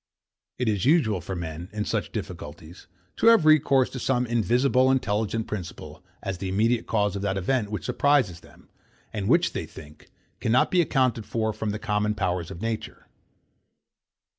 It is usual for men, in such difficulties, to have recourse to some invisible intelligent principle as the immediate cause of that event which surprises them, and which, they think, cannot be accounted for from the common powers of nature.